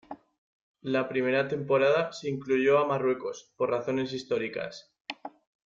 La primera temporada se incluyó a Marruecos por razones históricas.